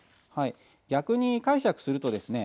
逆に解釈するとですね